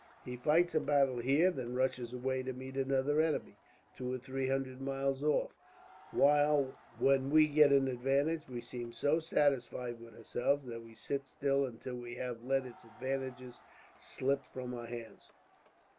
He fights a battle here, then rushes away to meet another enemy, two or three hundred miles off; while when we get an advantage, we seem so satisfied with ourselves that we sit still until we have let its advantages slip from our hands."